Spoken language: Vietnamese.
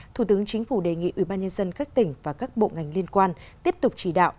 thủ tướng chính phủ đề nghị ủy ban nhân dân các tỉnh và các bộ ngành liên quan tiếp tục chỉ đạo